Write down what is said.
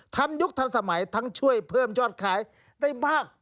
ยุคทันสมัยทั้งช่วยเพิ่มยอดขายได้มาก